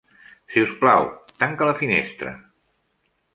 Si us plau, tanca la finestra.